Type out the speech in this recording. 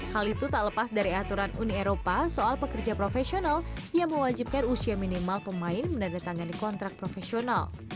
hal itu tak lepas dari aturan uni eropa soal pekerja profesional yang mewajibkan usia minimal pemain menandatangani kontrak profesional